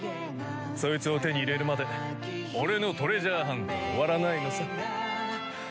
そいつを手に入れるまで俺のトレジャーハントは終わらないのさ。